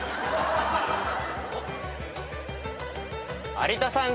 有田さん